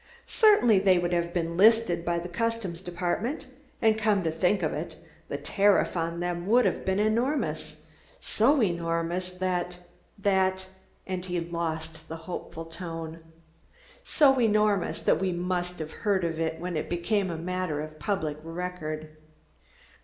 "Certainly they would have been listed by the customs department; and come to think of it, the tariff on them would have been enormous, so enormous that that " and he lost the hopeful tone "so enormous that we must have heard of it when it became a matter of public record."